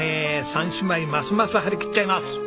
三姉妹ますます張り切っちゃいます。